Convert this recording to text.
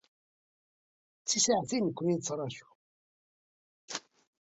D tisaεtin nekni nettraju.